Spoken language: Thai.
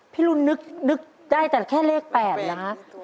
พี่รุนนึกได้แต่แค่เลข๘นะ